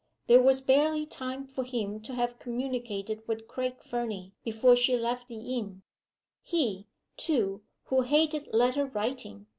There was barely time for him to have communicated with Craig Fernie before she left the inn he, too, who hated letter writing!